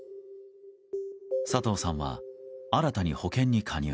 佐藤さんは新たに保険に加入。